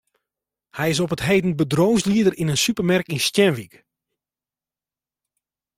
Hy is op 't heden bedriuwslieder yn in supermerk yn Stienwyk.